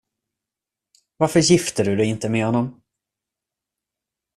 Varför gifte du dig inte med honom?